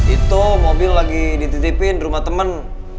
itu mobil lagi dititipin di rumah teman